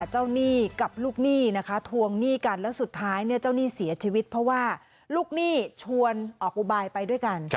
หนี้กับลูกหนี้นะคะทวงหนี้กันแล้วสุดท้ายเจ้าหนี้เสียชีวิตเพราะว่าลูกหนี้ชวนออกอุบายไปด้วยกัน